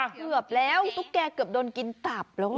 เกือบแล้วตุ๊กแกเกือบโดนกินตับแล้วไง